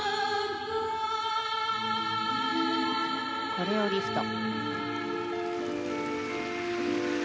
コレオリフト。